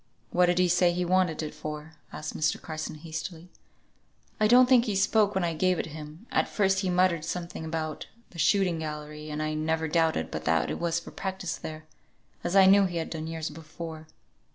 "What did he say he wanted it for?" asked Mr. Carson, hastily. "I don't think he spoke when I gave it him. At first he muttered something about the shooting gallery, and I never doubted but that it were for practice there, as I knew he had done years before."